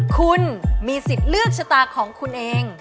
คุณมีสิทธิ์เลือกชะตาของคุณเอง